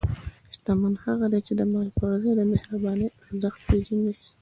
شتمن هغه دی چې د مال پر ځای د مهربانۍ ارزښت پېژني.